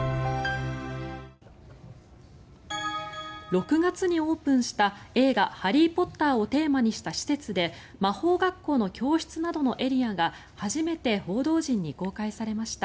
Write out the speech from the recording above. ６月にオープンした映画「ハリー・ポッター」をテーマにした施設で魔法学校の教室などのエリアが初めて報道陣に公開されました。